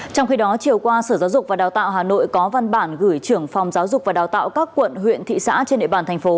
trong khi đó chiều qua sở giáo dục và đào tạo hà nội có văn bản gửi trưởng phòng giáo dục và đào tạo các quận huyện thị xã trên địa bàn thành phố